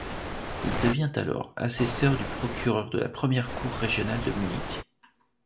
Il devient alors assesseur du procureur de la première cour régionale de Munich.